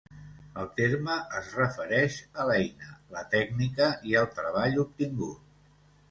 El terme es refereix a l'eina, la tècnica i el treball obtingut.